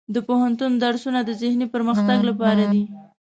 د پوهنتون درسونه د ذهني پرمختګ لپاره دي.